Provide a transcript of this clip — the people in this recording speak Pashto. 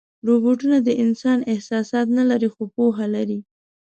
روبوټونه د انسان احساسات نه لري، خو پوهه لري.